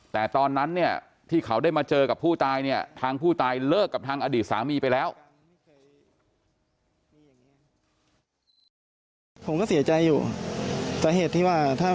แต่ตอนนั้นเนี่ยที่เขาได้มาเจอกับผู้ตายเนี่ยทางผู้ตายเลิกกับทางอดีตสามีไปแล้ว